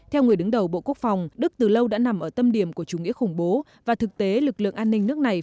theo người đứng đầu bộ quốc phòng đức từ lâu đã nằm ở tâm điểm của chủ nghĩa khủng bố và thực tế lực lượng an ninh nước này